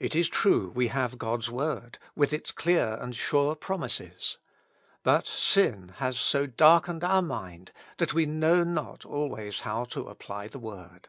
It is true we have God's Word, with its clear and sure promises ; but sin has so darkened our mind, that we know not always how to apply the Word.